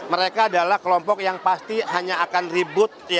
mereka adalah kelompok yang pasti hanya akan ribut